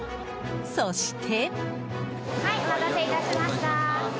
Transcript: そして。